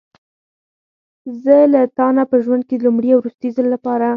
زه له تا نه په ژوند کې د لومړي او وروستي ځل لپاره.